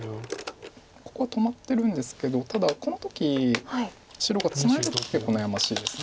ここは止まってるんですけどただこの時白がツナいだ時結構悩ましいです。